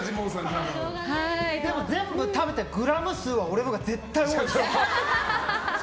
でも全部食べたグラム数は俺のほうが絶対多いですよ。